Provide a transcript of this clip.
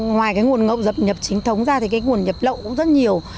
ngoài cái nguồn ngậu dập nhập chính thống ra thì cái nguồn nhập lậu cũng rất nhiều